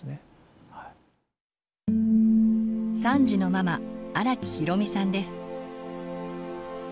３児のママ